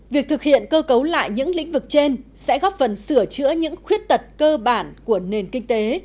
việc thực hiện cơ cấu lại những lĩnh vực trên sẽ góp phần sửa chữa những khuyết tật cơ bản của nền kinh tế